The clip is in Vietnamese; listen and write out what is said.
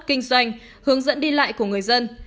kinh doanh hướng dẫn đi lại của người dân